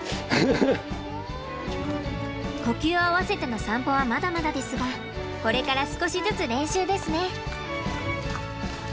呼吸を合わせての散歩はまだまだですがこれから少しずつ練習ですね。